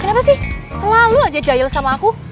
kenapa sih selalu aja gile sama aku